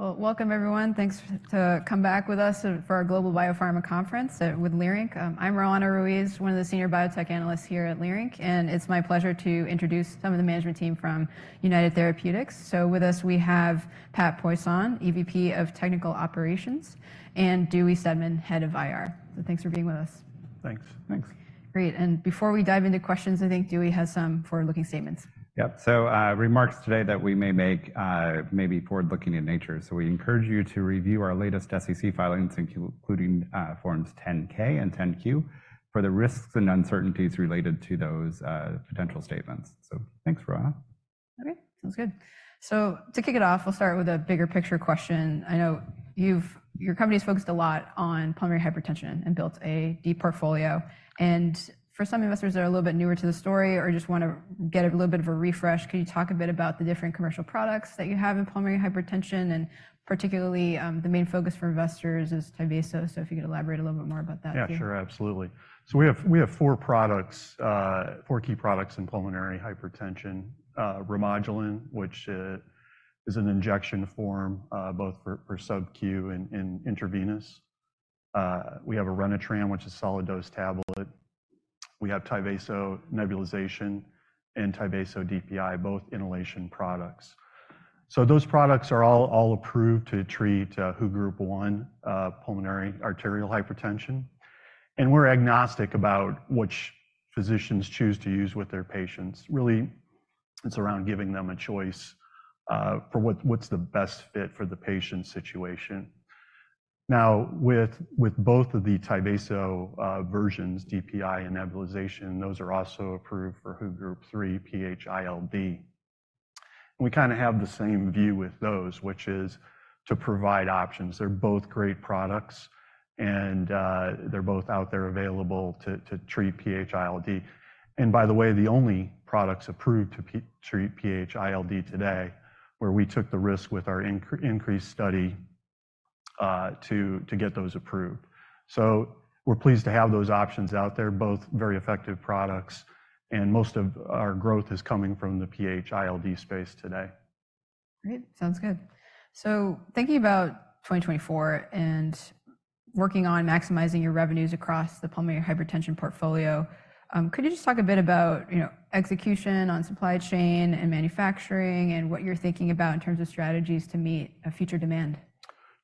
Okay. Well, welcome everyone. Thanks for coming back with us for our Global BioPharma Conference with Leerink. I'm Roanna Ruiz, one of the senior biotech analysts here at Leerink, and it's my pleasure to introduce some of the management team from United Therapeutics. So with us we have Pat Poisson, EVP of Technical Operations, and Dewey Steadman, head of IR. So thanks for being with us. Thanks. Thanks. Great. Before we dive into questions, I think Dewey has some forward-looking statements. Yep. So, remarks today that we may make may be forward-looking in nature. We encourage you to review our latest SEC filings, including Forms 10-K and 10-Q, for the risks and uncertainties related to those potential statements. Thanks, Roanna. Okay. Sounds good. So to kick it off, we'll start with a bigger picture question. I know your company has focused a lot on pulmonary hypertension and built a deep portfolio. And for some investors that are a little bit newer to the story or just want to get a little bit of a refresh, can you talk a bit about the different commercial products that you have in pulmonary hypertension? And particularly, the main focus for investors is Tyvaso. So if you could elaborate a little bit more about that. Yeah, sure. Absolutely. So we have four products, four key products in pulmonary hypertension: Remodulin, which is an injection form both for sub-Q and intravenous. We have an Orenitram, which is a solid-dose tablet. We have Tyvaso nebulization and Tyvaso DPI, both inhalation products. So those products are all approved to treat WHO Group 1 pulmonary arterial hypertension. And we're agnostic about which physicians choose to use with their patients. Really, it's around giving them a choice for what's the best fit for the patient's situation. Now, with both of the Tyvaso versions, DPI and nebulization, those are also approved for WHO Group 3 PH-ILD. And we kind of have the same view with those, which is to provide options. They're both great products, and they're both out there available to treat PH-ILD. And by the way, the only products approved to treat PH-ILD today were we took the risk with our INCREASE study to get those approved. So we're pleased to have those options out there, both very effective products, and most of our growth is coming from the PH-ILD space today. Great. Sounds good. Thinking about 2024 and working on maximizing your revenues across the pulmonary hypertension portfolio, could you just talk a bit about execution on supply chain and manufacturing and what you're thinking about in terms of strategies to meet future demand?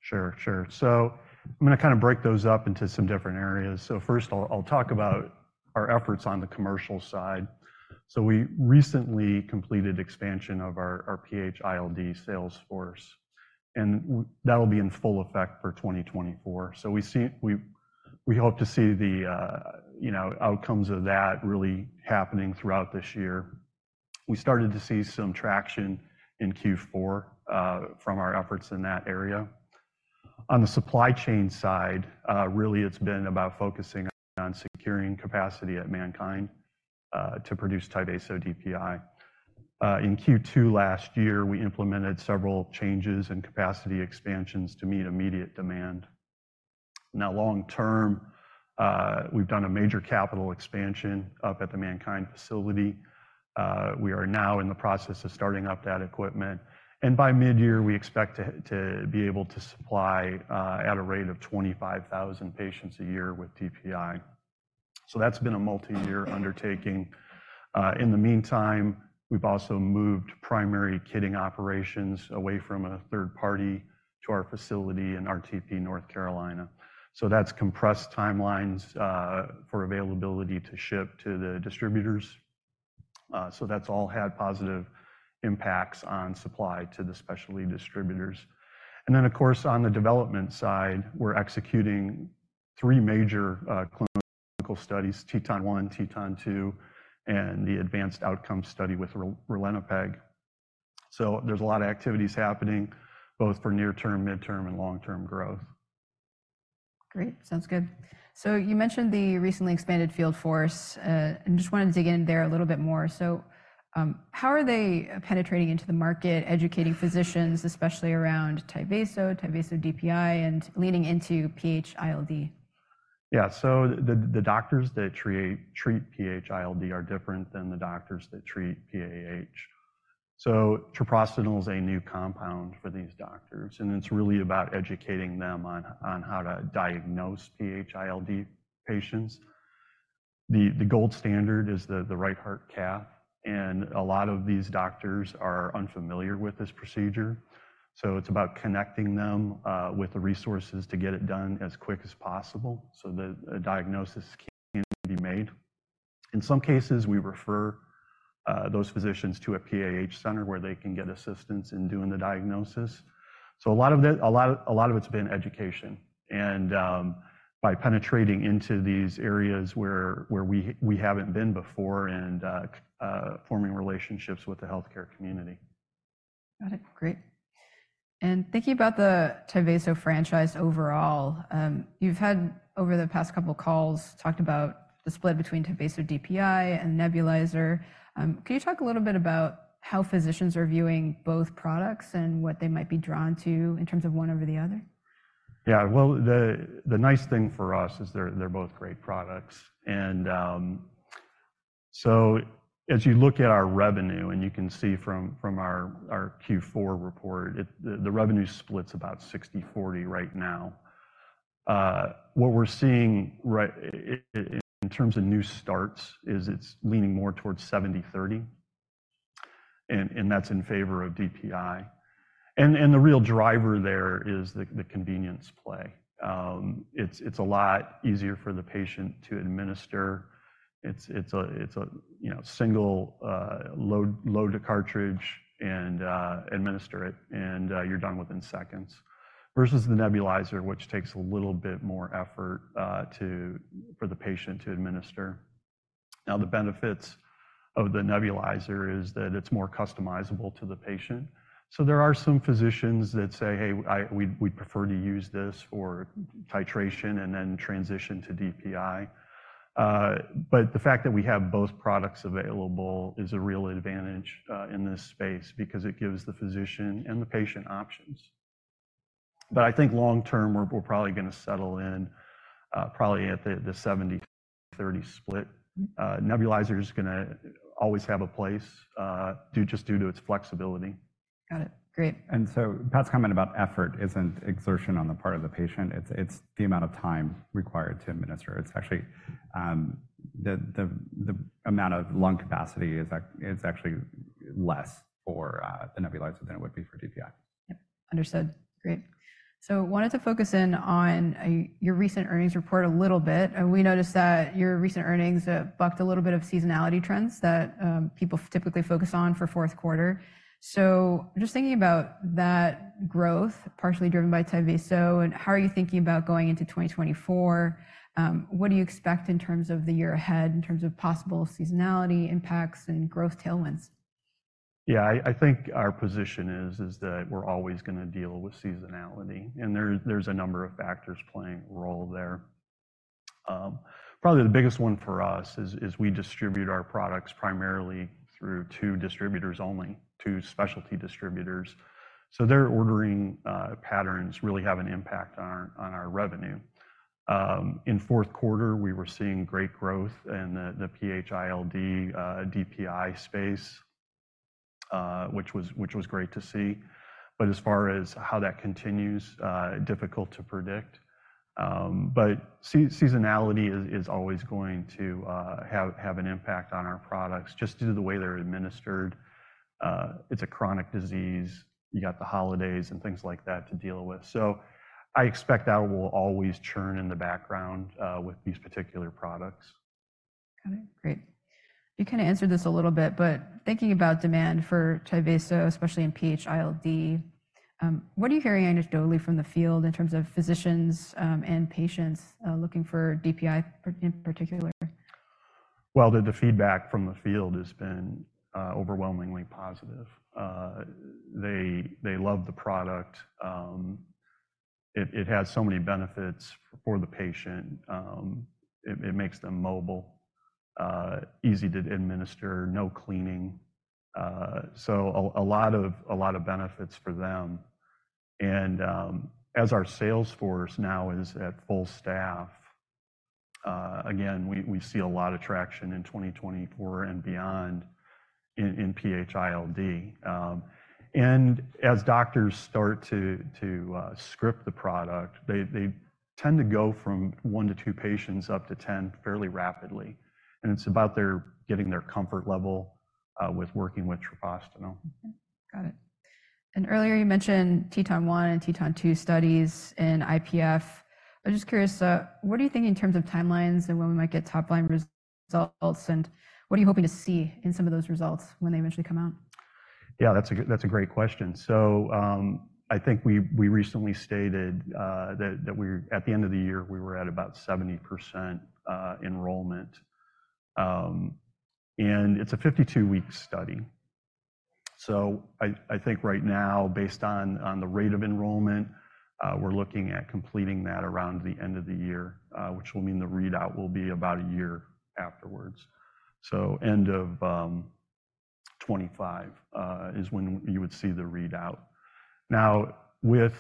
Sure. Sure. So I'm going to kind of break those up into some different areas. So first, I'll talk about our efforts on the commercial side. So we recently completed expansion of our PH-ILD sales force, and that will be in full effect for 2024. So we hope to see the outcomes of that really happening throughout this year. We started to see some traction in Q4 from our efforts in that area. On the supply chain side, really, it's been about focusing on securing capacity at MannKind to produce Tyvaso DPI. In Q2 last year, we implemented several changes and capacity expansions to meet immediate demand. Now, long term, we've done a major capital expansion up at the MannKind facility. We are now in the process of starting up that equipment. By midyear, we expect to be able to supply at a rate of 25,000 patients a year with DPI. That's been a multi-year undertaking. In the meantime, we've also moved primary kitting operations away from a third party to our facility in RTP, North Carolina. That's compressed timelines for availability to ship to the distributors. That's all had positive impacts on supply to the specialty distributors. Then, of course, on the development side, we're executing three major clinical studies, TETON 1, TETON 2, and the ADVANCE OUTCOMES study with ralinepag. There's a lot of activities happening both for near-term, mid-term, and long-term growth. Great. Sounds good. So you mentioned the recently expanded field force. I just wanted to dig in there a little bit more. So how are they penetrating into the market, educating physicians, especially around Tyvaso, Tyvaso DPI, and leaning into PH-ILD? Yeah. So the doctors that treat PH-ILD are different than the doctors that treat PAH. So treprostinil is a new compound for these doctors, and it's really about educating them on how to diagnose PH-ILD patients. The gold standard is the right heart cath. And a lot of these doctors are unfamiliar with this procedure. So it's about connecting them with the resources to get it done as quick as possible so that a diagnosis can be made. In some cases, we refer those physicians to a PAH center where they can get assistance in doing the diagnosis. So a lot of it's been education and by penetrating into these areas where we haven't been before and forming relationships with the healthcare community. Got it. Great. And thinking about the Tyvaso franchise overall, you've had, over the past couple of calls, talked about the split between Tyvaso DPI and nebulizer. Can you talk a little bit about how physicians are viewing both products and what they might be drawn to in terms of one over the other? Yeah. Well, the nice thing for us is they're both great products. And so as you look at our revenue and you can see from our Q4 report, the revenue split's about 60/40 right now. What we're seeing in terms of new starts is it's leaning more towards 70/30, and that's in favor of DPI. And the real driver there is the convenience play. It's a lot easier for the patient to administer. It's a single load to cartridge and administer it, and you're done within seconds versus the nebulizer, which takes a little bit more effort for the patient to administer. Now, the benefits of the nebulizer is that it's more customizable to the patient. So there are some physicians that say, "Hey, we'd prefer to use this for titration and then transition to DPI." But the fact that we have both products available is a real advantage in this space because it gives the physician and the patient options. But I think long term, we're probably going to settle in probably at the 70/30 split. Nebulizer is going to always have a place just due to its flexibility. Got it. Great. Pat's comment about effort isn't exertion on the part of the patient. It's the amount of time required to administer. It's actually the amount of lung capacity. It's actually less for the nebulizer than it would be for DPI. Yep. Understood. Great. So wanted to focus in on your recent earnings report a little bit. We noticed that your recent earnings bucked a little bit of seasonality trends that people typically focus on for fourth quarter. So just thinking about that growth partially driven by Tyvaso, and how are you thinking about going into 2024? What do you expect in terms of the year ahead in terms of possible seasonality impacts and growth tailwinds? Yeah. I think our position is that we're always going to deal with seasonality, and there's a number of factors playing a role there. Probably the biggest one for us is we distribute our products primarily through two distributors only, two specialty distributors. So their ordering patterns really have an impact on our revenue. In fourth quarter, we were seeing great growth in the PH-ILD DPI space, which was great to see. But as far as how that continues, difficult to predict. But seasonality is always going to have an impact on our products just due to the way they're administered. It's a chronic disease. You got the holidays and things like that to deal with. So I expect that will always churn in the background with these particular products. Got it. Great. You kind of answered this a little bit, but thinking about demand for Tyvaso, especially in PH-ILD, what are you hearing anecdotally from the field in terms of physicians and patients looking for DPI in particular? Well, the feedback from the field has been overwhelmingly positive. They love the product. It has so many benefits for the patient. It makes them mobile, easy to administer, no cleaning. So a lot of benefits for them. And as our sales force now is at full staff, again, we see a lot of traction in 2024 and beyond in PH-ILD. And as doctors start to script the product, they tend to go from one to two patients up to 10 fairly rapidly. And it's about getting their comfort level with working with treprostinil. Got it. And earlier, you mentioned TETON 1 and TETON 2 studies in IPF. I'm just curious, what are you thinking in terms of timelines and when we might get top-line results? And what are you hoping to see in some of those results when they eventually come out? Yeah. That's a great question. So I think we recently stated that at the end of the year, we were at about 70% enrollment. And it's a 52-week study. So I think right now, based on the rate of enrollment, we're looking at completing that around the end of the year, which will mean the readout will be about a year afterwards. So end of 2025 is when you would see the readout. Now, with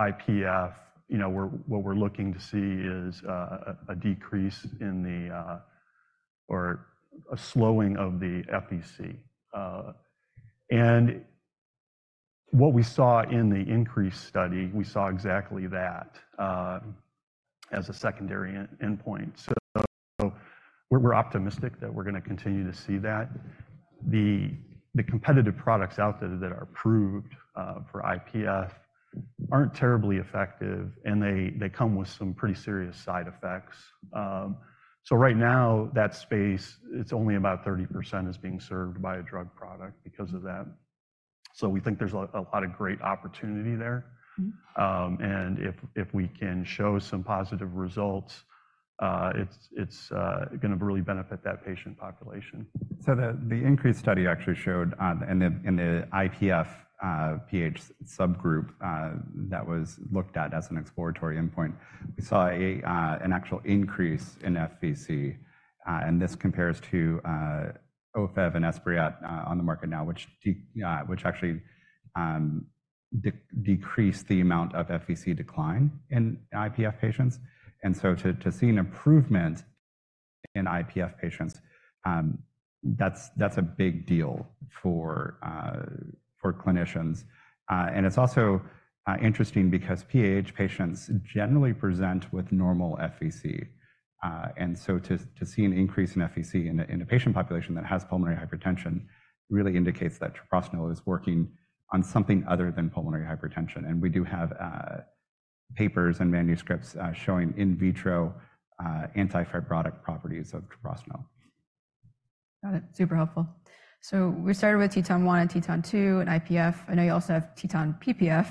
IPF, what we're looking to see is a decrease in the or a slowing of the FVC. And what we saw in the INCREASE study, we saw exactly that as a secondary endpoint. So we're optimistic that we're going to continue to see that. The competitive products out there that are approved for IPF aren't terribly effective, and they come with some pretty serious side effects. So right now, that space, it's only about 30% is being served by a drug product because of that. So we think there's a lot of great opportunity there. If we can show some positive results, it's going to really benefit that patient population. So the INCREASE study actually showed in the IPF PH subgroup that was looked at as an exploratory endpoint, we saw an actual increase in FVC. And this compares to Ofev and Esbriet on the market now, which actually decreased the amount of FVC decline in IPF patients. And so to see an improvement in IPF patients, that's a big deal for clinicians. And it's also interesting because PH patients generally present with normal FVC. And so to see an increase in FVC in a patient population that has pulmonary hypertension really indicates that treprostinil is working on something other than pulmonary hypertension. And we do have papers and manuscripts showing in vitro anti-fibrotic properties of treprostinil. Got it. Super helpful. So we started with TETON 1 and TETON 2 and IPF. I know you also have TETON PPF.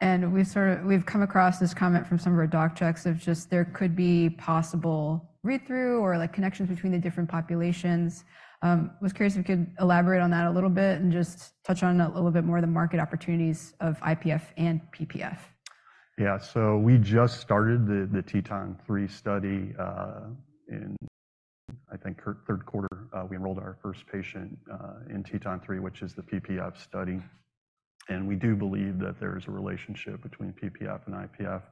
And we've come across this comment from some of our doc checks of just there could be possible read-through or connections between the different populations. I was curious if you could elaborate on that a little bit and just touch on a little bit more of the market opportunities of IPF and PPF. Yeah. So we just started the TETON 3 study in, I think, third quarter. We enrolled our first patient in TETON 3, which is the PPF study. And we do believe that there is a relationship between PPF and IPF.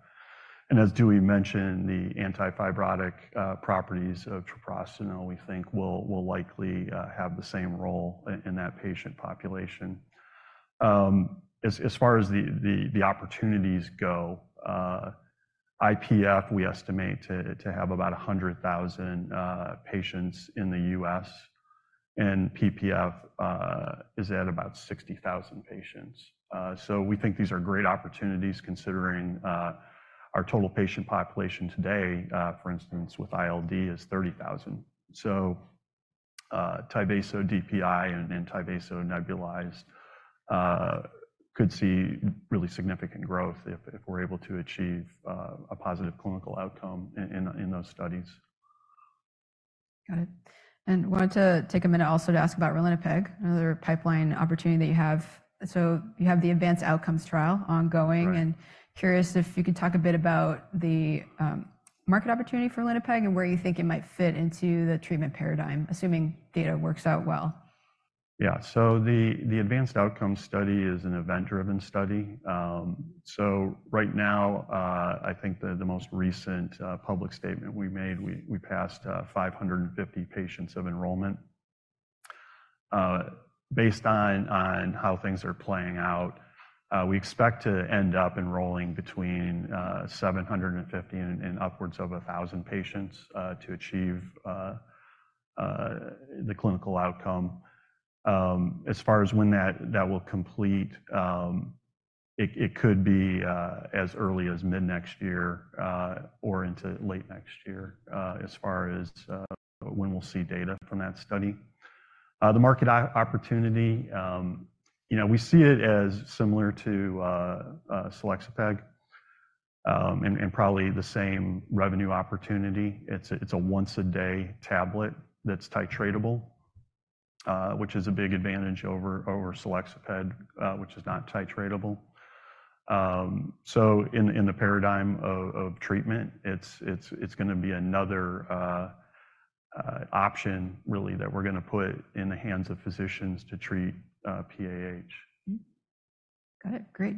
And as Dewey mentioned, the anti-fibrotic properties of treprostinil, we think, will likely have the same role in that patient population. As far as the opportunities go, IPF, we estimate to have about 100,000 patients in the U.S. And PPF is at about 60,000 patients. So we think these are great opportunities considering our total patient population today, for instance, with ILD, is 30,000. So Tyvaso DPI and Tyvaso nebulized could see really significant growth if we're able to achieve a positive clinical outcome in those studies. Got it. And wanted to take a minute also to ask about ralinepag, another pipeline opportunity that you have. So you have the ADVANCE OUTCOMES trial ongoing. And curious if you could talk a bit about the market opportunity for ralinepag and where you think it might fit into the treatment paradigm, assuming data works out well. Yeah. So the ADVANCE OUTCOMES study is an event-driven study. So right now, I think the most recent public statement we made, we passed 550 patients of enrollment. Based on how things are playing out, we expect to end up enrolling between 750 and upwards of 1,000 patients to achieve the clinical outcome. As far as when that will complete, it could be as early as mid-next year or into late next year as far as when we'll see data from that study. The market opportunity, we see it as similar to selexipag and probably the same revenue opportunity. It's a once-a-day tablet that's titratable, which is a big advantage over selexipag, which is not titratable. So in the paradigm of treatment, it's going to be another option, really, that we're going to put in the hands of physicians to treat PAH. Got it. Great.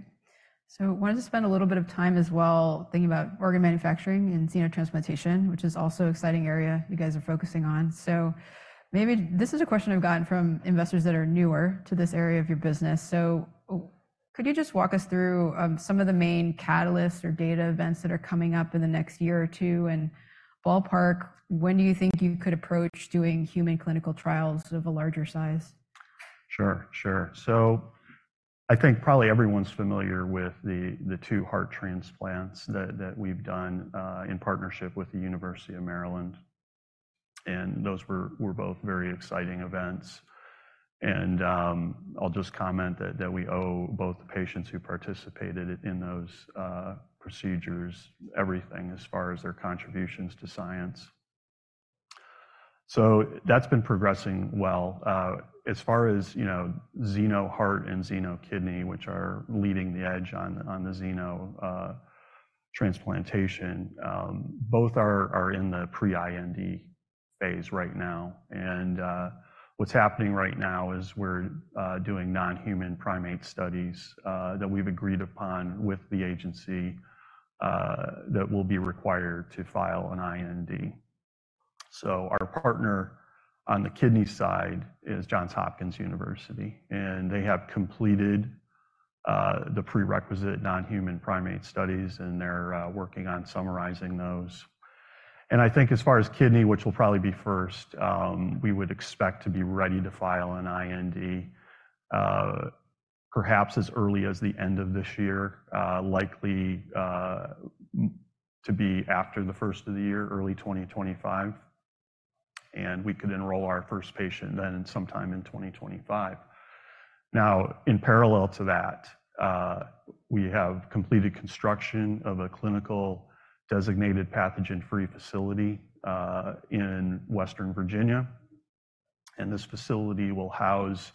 So wanted to spend a little bit of time as well thinking about organ manufacturing and xenotransplantation, which is also an exciting area you guys are focusing on. So maybe this is a question I've gotten from investors that are newer to this area of your business. So could you just walk us through some of the main catalysts or data events that are coming up in the next year or two and ballpark when do you think you could approach doing human clinical trials of a larger size? Sure. Sure. So I think probably everyone's familiar with the 2 heart transplants that we've done in partnership with the University of Maryland. Those were both very exciting events. I'll just comment that we owe both the patients who participated in those procedures everything as far as their contributions to science. So that's been progressing well. As far as xeno heart and xeno kidney, which are leading the edge on the xenotransplantation, both are in the pre-IND phase right now. What's happening right now is we're doing non-human primate studies that we've agreed upon with the agency that will be required to file an IND. So our partner on the kidney side is Johns Hopkins University. They have completed the prerequisite non-human primate studies, and they're working on summarizing those. I think as far as kidney, which will probably be first, we would expect to be ready to file an IND perhaps as early as the end of this year, likely to be after the first of the year, early 2025. We could enroll our first patient then sometime in 2025. Now, in parallel to that, we have completed construction of a clinical designated pathogen-free facility in western Virginia. This facility will house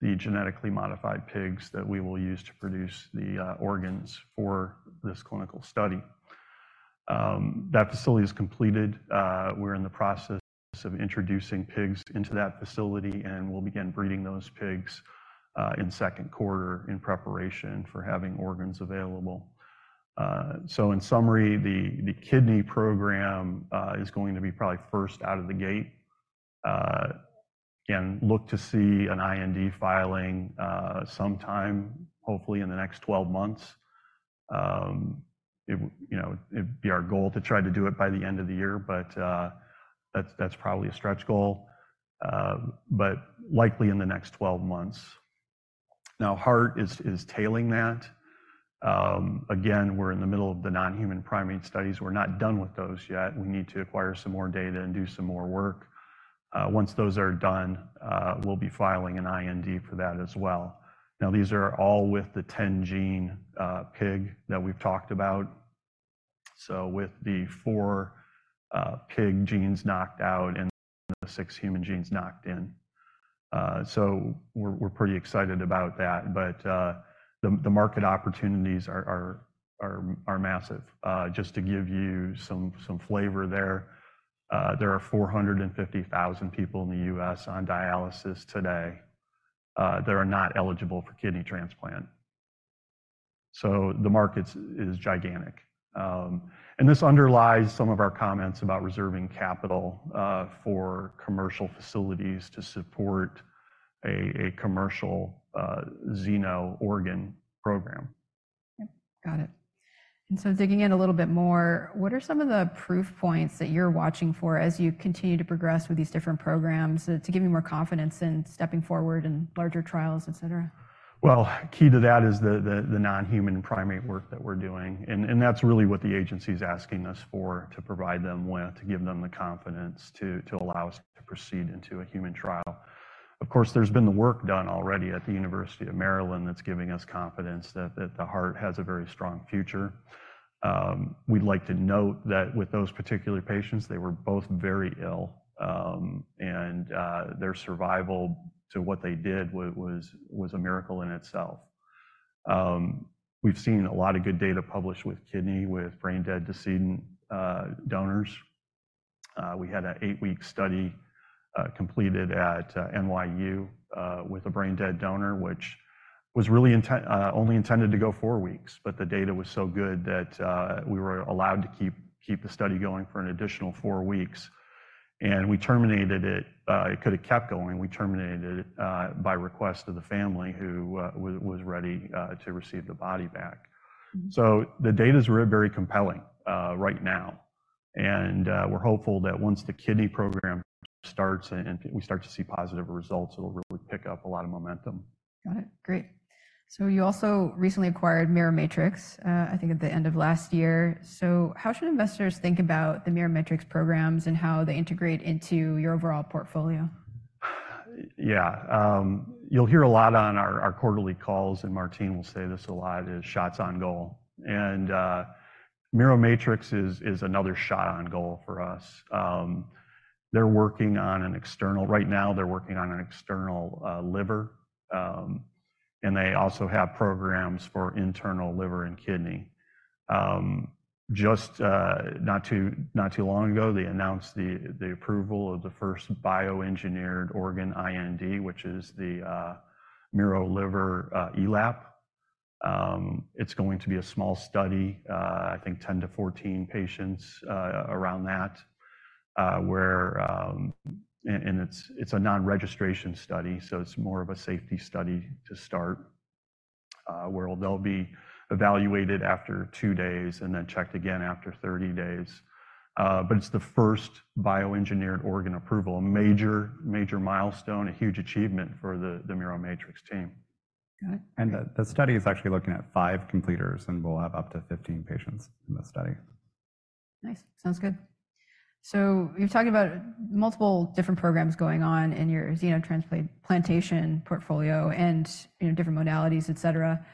the genetically modified pigs that we will use to produce the organs for this clinical study. That facility is completed. We're in the process of introducing pigs into that facility, and we'll begin breeding those pigs in second quarter in preparation for having organs available. In summary, the kidney program is going to be probably first out of the gate. Again, look to see an IND filing sometime, hopefully, in the next 12 months. It'd be our goal to try to do it by the end of the year, but that's probably a stretch goal. But likely in the next 12 months. Now, heart is tailing that. Again, we're in the middle of the non-human primate studies. We're not done with those yet. We need to acquire some more data and do some more work. Once those are done, we'll be filing an IND for that as well. Now, these are all with the 10-gene pig that we've talked about. So with the four pig genes knocked out and the six human genes knocked in. So we're pretty excited about that. But the market opportunities are massive. Just to give you some flavor there, there are 450,000 people in the U.S. on dialysis today that are not eligible for kidney transplant. So the market is gigantic. This underlies some of our comments about reserving capital for commercial facilities to support a commercial xeno organ program. Got it. So digging in a little bit more, what are some of the proof points that you're watching for as you continue to progress with these different programs to give you more confidence in stepping forward in larger trials, etc.? Well, key to that is the nonhuman primate work that we're doing. And that's really what the agency is asking us for to provide them with, to give them the confidence to allow us to proceed into a human trial. Of course, there's been the work done already at the University of Maryland that's giving us confidence that the heart has a very strong future. We'd like to note that with those particular patients, they were both very ill. And their survival to what they did was a miracle in itself. We've seen a lot of good data published with kidney, with brain-dead decedent donors. We had an 8-week study completed at NYU with a brain-dead donor, which was really only intended to go 4 weeks. But the data was so good that we were allowed to keep the study going for an additional 4 weeks. And we terminated it. It could have kept going. We terminated it by request of the family who was ready to receive the body back. So the data is very compelling right now. And we're hopeful that once the kidney program starts and we start to see positive results, it'll really pick up a lot of momentum. Got it. Great. So you also recently acquired Miromatrix, I think, at the end of last year. So how should investors think about the Miromatrix programs and how they integrate into your overall portfolio? Yeah. You'll hear a lot on our quarterly calls, and Martine will say this a lot, is shots on goal. And Miromatrix is another shot on goal for us. They're working on an external right now, they're working on an external liver. And they also have programs for internal liver and kidney. Just not too long ago, they announced the approval of the first bioengineered organ IND, which is the miroLiverELAP. It's going to be a small study, I think, 10-14 patients around that. And it's a non-registration study, so it's more of a safety study to start, where they'll be evaluated after two days and then checked again after 30 days. But it's the first bioengineered organ approval, a major milestone, a huge achievement for the Miromatrix team. The study is actually looking at 5 completers, and we'll have up to 15 patients in the study. Nice. Sounds good. So you've talked about multiple different programs going on in your xenotransplantation portfolio and different modalities, etc.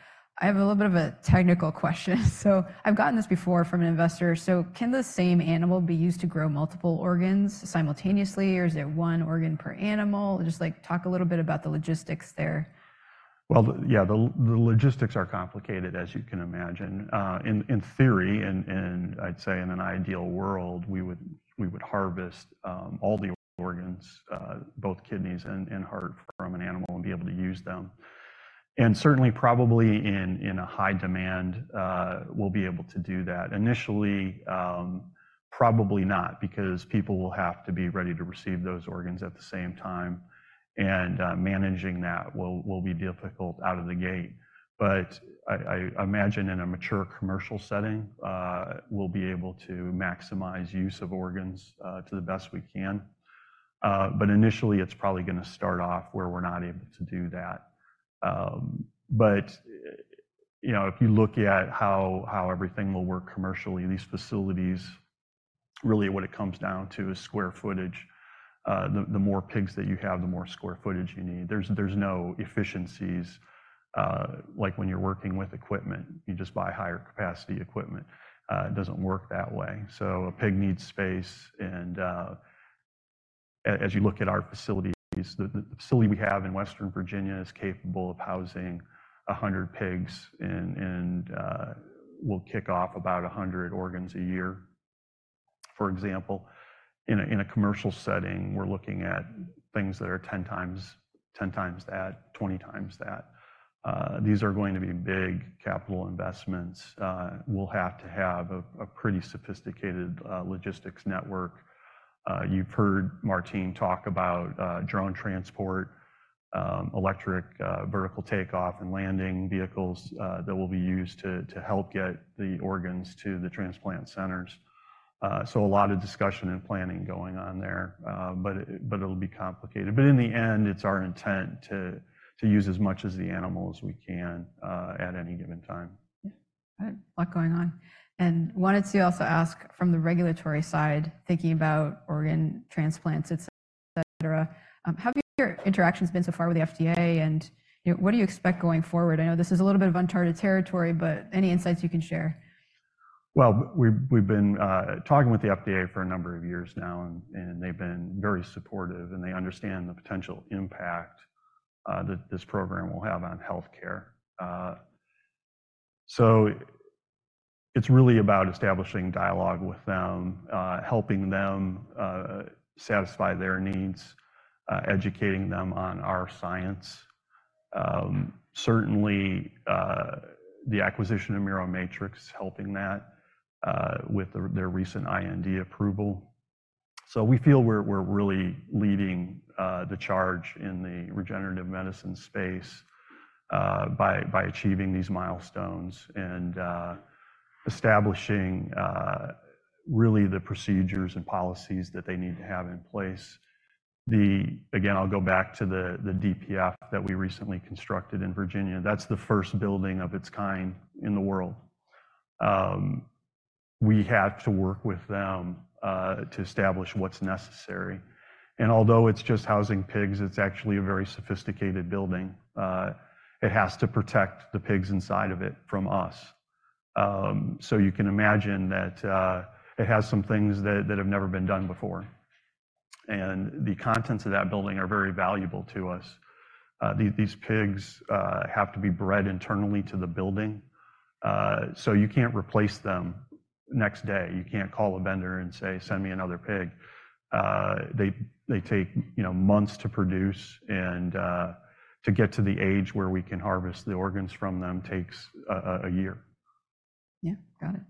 I have a little bit of a technical question. So I've gotten this before from an investor. So can the same animal be used to grow multiple organs simultaneously, or is it one organ per animal? Just talk a little bit about the logistics there. Well, yeah, the logistics are complicated, as you can imagine. In theory, and I'd say in an ideal world, we would harvest all the organs, both kidneys and heart, from an animal and be able to use them. And certainly, probably in a high demand, we'll be able to do that. Initially, probably not because people will have to be ready to receive those organs at the same time. And managing that will be difficult out of the gate. But I imagine in a mature commercial setting, we'll be able to maximize use of organs to the best we can. But initially, it's probably going to start off where we're not able to do that. But if you look at how everything will work commercially, these facilities, really, what it comes down to is square footage. The more pigs that you have, the more square footage you need. There's no efficiencies like when you're working with equipment. You just buy higher capacity equipment. It doesn't work that way. So a pig needs space. And as you look at our facilities, the facility we have in western Virginia is capable of housing 100 pigs and will kick off about 100 organs a year. For example, in a commercial setting, we're looking at things that are 10 times that, 20 times that. These are going to be big capital investments. We'll have to have a pretty sophisticated logistics network. You've heard Martine talk about drone transport, electric vertical takeoff and landing vehicles that will be used to help get the organs to the transplant centers. So a lot of discussion and planning going on there, but it'll be complicated. But in the end, it's our intent to use as much of the animal as we can at any given time. Yeah. Got it. A lot going on. And wanted to also ask from the regulatory side, thinking about organ transplants, etc., how have your interactions been so far with the FDA, and what do you expect going forward? I know this is a little bit of uncharted territory, but any insights you can share. Well, we've been talking with the FDA for a number of years now, and they've been very supportive. They understand the potential impact that this program will have on healthcare. So it's really about establishing dialogue with them, helping them satisfy their needs, educating them on our science. Certainly, the acquisition of Miromatrix is helping that with their recent IND approval. So we feel we're really leading the charge in the regenerative medicine space by achieving these milestones and establishing, really, the procedures and policies that they need to have in place. Again, I'll go back to the DPF that we recently constructed in Virginia. That's the first building of its kind in the world. We have to work with them to establish what's necessary. Although it's just housing pigs, it's actually a very sophisticated building. It has to protect the pigs inside of it from us. So you can imagine that it has some things that have never been done before. And the contents of that building are very valuable to us. These pigs have to be bred internally to the building. So you can't replace them next day. You can't call a vendor and say, "Send me another pig." They take months to produce. And to get to the age where we can harvest the organs from them takes a year. Yeah. Got it.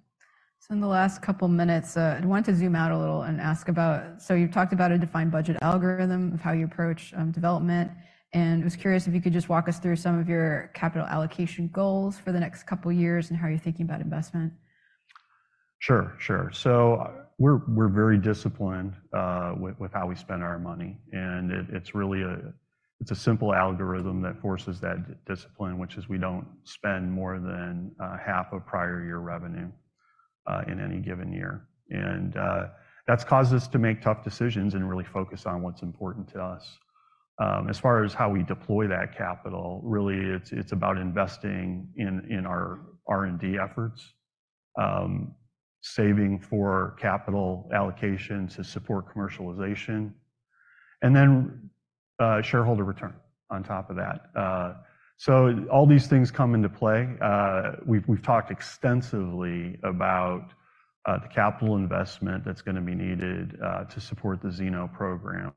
So, in the last couple of minutes, I wanted to zoom out a little and ask about, so you've talked about a defined budget algorithm of how you approach development. I was curious if you could just walk us through some of your capital allocation goals for the next couple of years and how you're thinking about investment. Sure. Sure. So we're very disciplined with how we spend our money. It's a simple algorithm that forces that discipline, which is we don't spend more than half of prior year revenue in any given year. That's caused us to make tough decisions and really focus on what's important to us. As far as how we deploy that capital, really, it's about investing in our R&D efforts, saving for capital allocation to support commercialization, and then shareholder return on top of that. All these things come into play. We've talked extensively about the capital investment that's going to be needed to support the xeno programs.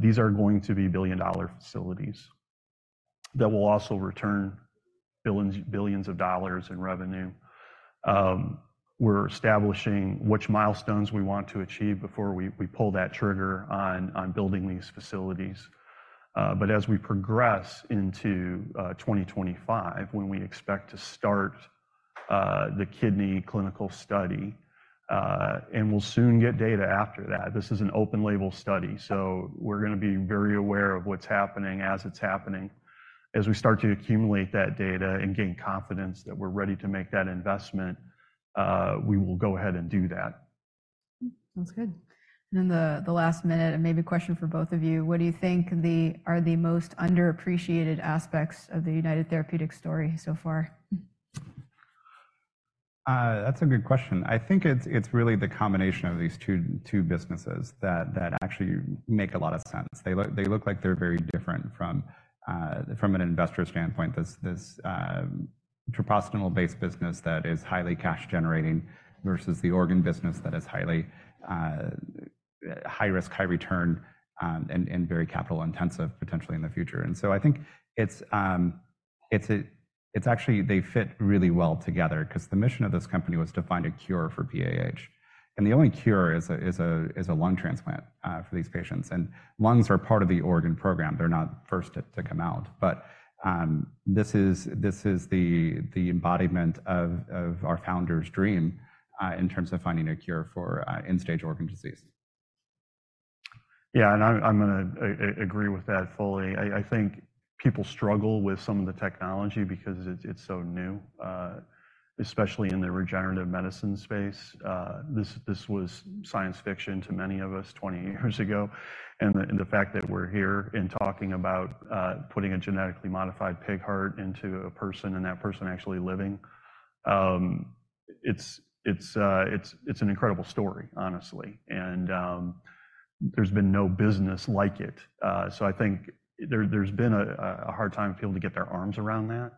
These are going to be billion-dollar facilities that will also return billions of dollars in revenue. We're establishing which milestones we want to achieve before we pull that trigger on building these facilities. As we progress into 2025, when we expect to start the kidney clinical study, and we'll soon get data after that, this is an open-label study. We're going to be very aware of what's happening as it's happening. As we start to accumulate that data and gain confidence that we're ready to make that investment, we will go ahead and do that. Sounds good. In the last minute, maybe a question for both of you. What do you think are the most underappreciated aspects of the United Therapeutics story so far? That's a good question. I think it's really the combination of these two businesses that actually make a lot of sense. They look like they're very different from an investor standpoint, this treprostinil-based business that is highly cash-generating versus the organ business that is high-risk, high-return, and very capital-intensive potentially in the future. And so I think it's actually they fit really well together because the mission of this company was to find a cure for PAH. And the only cure is a lung transplant for these patients. And lungs are part of the organ program. They're not first to come out. But this is the embodiment of our founder's dream in terms of finding a cure for end-stage organ disease. Yeah. I'm going to agree with that fully. I think people struggle with some of the technology because it's so new, especially in the regenerative medicine space. This was science fiction to many of us 20 years ago. The fact that we're here and talking about putting a genetically modified pig heart into a person and that person actually living, it's an incredible story, honestly. There's been no business like it. I think there's been a hard time for people to get their arms around that.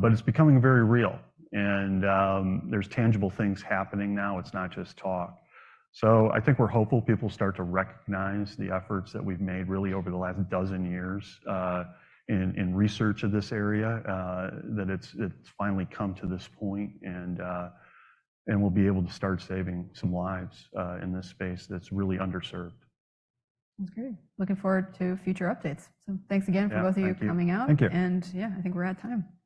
But it's becoming very real. There's tangible things happening now. It's not just talk. So, I think we're hopeful people start to recognize the efforts that we've made really over the last dozen years in research of this area, that it's finally come to this point, and we'll be able to start saving some lives in this space that's really underserved. Sounds great. Looking forward to future updates. So thanks again for both of you coming out. Thank you. Yeah, I think we're at time.